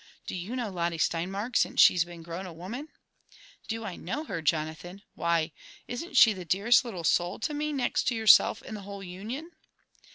Do you know Lotte Steinmark since she's been grown a woman ?"Do I know her, Jonathan ? Why isn't she the dearest little soul to me, next yourself, in the whole Union